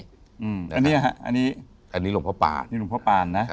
อันนี้หลวงพ่อปานนะครับ